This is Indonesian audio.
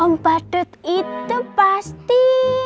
om badut itu pasti